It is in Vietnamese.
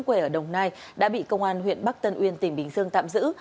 quê ở đồng nai đã bị công an huyện bắc tân uyên tỉnh bình dương tạm giữ